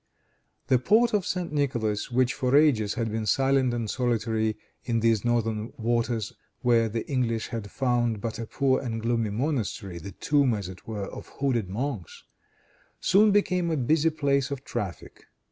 The port of St. Nicholas, which, for ages, had been silent and solitary in these northern waters where the English had found but a poor and gloomy monastery, the tomb, as it were, of hooded monks, soon became a busy place of traffic.